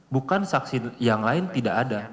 bukan saksi yang lain tidak ada